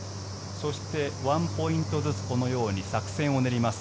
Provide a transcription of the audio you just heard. そして、１ポイントずつこのように作戦を練ります。